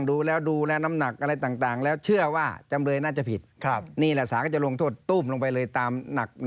คือสมัยความเป็นแบบนี้เล่นแบบนั้น